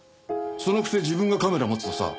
そのくせ自分がカメラ持つとさ